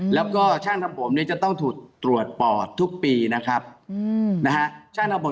แล้วก็ช่างทำผมเนี่ยจะต้องถูกตรวจปอดทุกปีนะครับนะฮะ